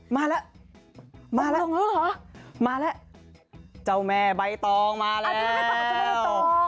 มาแล้วมาแล้วมาแล้วมาแล้วเจ้าแม่ใบตองมาแล้ว